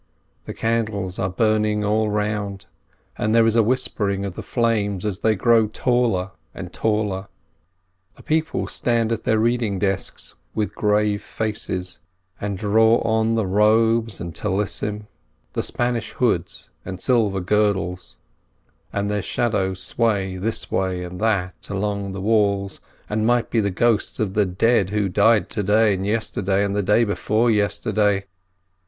The candles are burning all round, and there is a whispering of the flames as they grow taller and taller. The people stand at their reading desks with grave faces, and draw on the robes and prayer scarfs, the Spanish hoods and silver girdles; and their shadows sway this way and that along the walls, and might be the ghosts of the dead who died to day and yesterday and the day before yesterday.